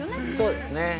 ◆そうですね。